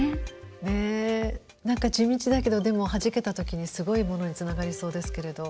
ねえ何か地道だけどでもはじけた時にすごいものにつながりそうですけれど。